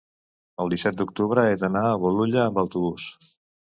El disset d'octubre he d'anar a Bolulla amb autobús.